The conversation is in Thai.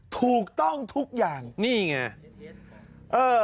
ถูกต้องทุกอย่างนี่ไง